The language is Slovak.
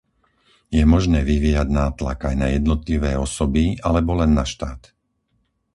Je možné vyvíjať nátlak aj na jednotlivé osoby, alebo len na štát?